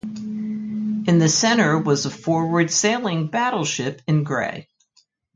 In the center was a "forward sailing battleship" in grey.